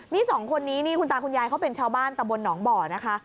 นี่สองคนนี้นี่คุณตาคุณยายเขาเป็นชาวบ้านตำบลหนองบ่อนะคะ